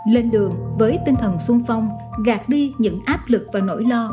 lên đường với tinh thần sung phong gạt đi những áp lực và nổi lo